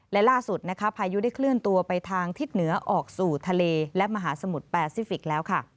และล่าสุดพายุได้เคลื่อนตัวไปทางทิศเหนือออกสู่ทะเลและมหาสมุทรแปซิฟิกส์แล้วค่ะ